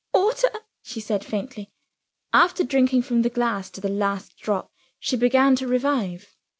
"Water!" she said faintly. After drinking from the glass to the last drop, she began to revive.